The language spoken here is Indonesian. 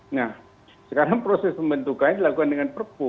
nah sekarang proses pembentukannya dilakukan dengan perpu